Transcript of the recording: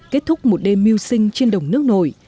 kết thúc một đêm mưu sinh trên đồng nước nổi